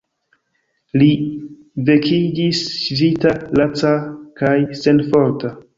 Li vekiĝis ŝvita, laca kaj senforta.